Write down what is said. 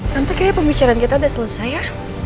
tapi kayaknya pembicaraan kita udah selesai ya